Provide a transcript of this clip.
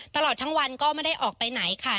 ตลอดทั้งวันก็ไม่ได้ออกไปไหนค่ะ